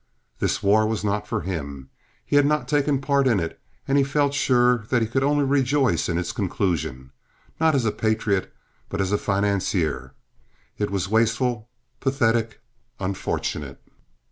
This war was not for him. He had taken no part in it, and he felt sure that he could only rejoice in its conclusion—not as a patriot, but as a financier. It was wasteful, pathetic, unfortunate.